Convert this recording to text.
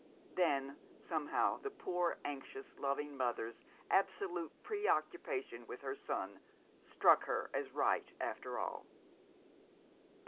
Then somehow the poor, anxious, loving mother's absolute preoccupation with her son struck her as right after all.